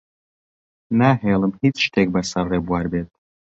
ناهێڵم هیچ شتێک بەسەر ڕێبوار بێت.